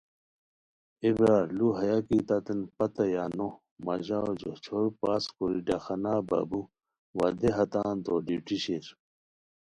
ایے برار لُو ہیہ کی تتین پتہ یا نو، مہ ژاؤ جوش چھور پاس کوری ڈاکخانا بابو ، وا دیہا تان تو ڈیوٹی شیر